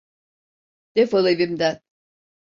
Defol evimden!